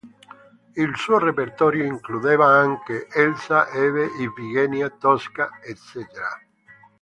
Il suo repertorio includeva anche: Elsa, Eve, Ifigenia, Tosca, ecc.